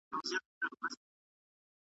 په ارغوان به ښکلي سي غیږي ,